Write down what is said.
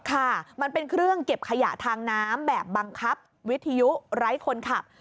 ค่ะมันเป็นเครื่องเก็บขยะทางน้ำแบบบังคับวิทยุไร้คนขับ